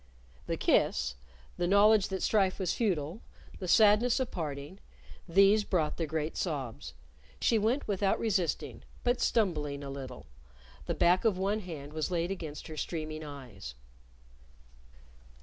The kiss, the knowledge that strife was futile, the sadness of parting these brought the great sobs. She went without resisting, but stumbling a little; the back of one hand was laid against her streaming eyes.